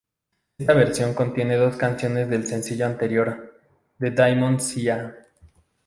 Esta versión contiene dos canciones del sencillo anterior "The Diamond Sea".